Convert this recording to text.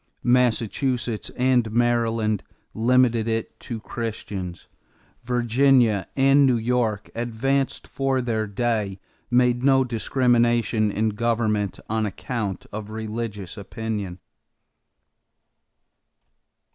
Massachusetts and Maryland limited it to Christians. Virginia and New York, advanced for their day, made no discrimination in government on account of religious opinion.